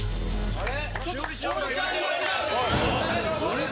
あれ？